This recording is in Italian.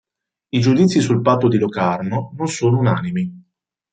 I giudizi sul Patto di Locarno non sono unanimi.